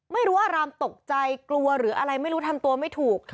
ไม่รู้ว่าอารามตกใจกลัวหรืออะไรไม่รู้ทำตัวไม่ถูก